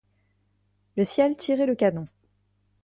Le ciel tirait le canon.